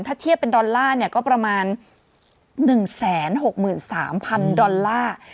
ถ้าเทียบเป็นดอลลาร์ก็ประมาณ๑๖๓๐๐๐ดอลลาร์